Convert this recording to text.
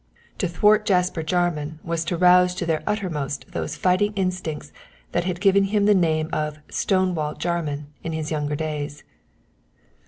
To thwart Jasper Jarman was to rouse to their uttermost those fighting instincts that had given him the name of "Stone wall Jarman" in his younger days.